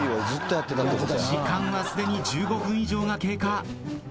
時間はすでに１５分以上が経過。